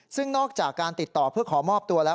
ซึ่งนอกจากการติดต่อเพื่อขอมอบตัวแล้ว